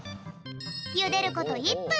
ゆでること１ぷん。